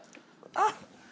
あっ。